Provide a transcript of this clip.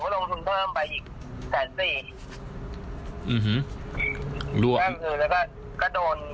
รอบสองลงทุนไปอีกแสนสี่